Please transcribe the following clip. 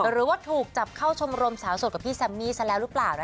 หรือว่าถูกจับเข้าชมรมสาวสดกับพี่แซมมี่ซะแล้วหรือเปล่า